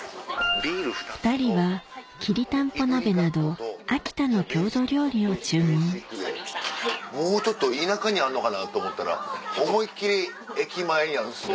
２人はきりたんぽ鍋などもうちょっと田舎にあるのかなと思ったら思いっ切り駅前にあるんですね。